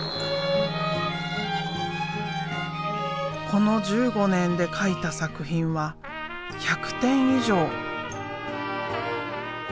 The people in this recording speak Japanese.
この１５年で描いた作品は１００点以上。